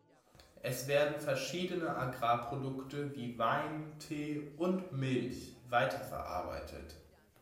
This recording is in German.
Es werden verschiedene Agrarprodukte wie Wein, Tee und Milch weiterverarbeitet.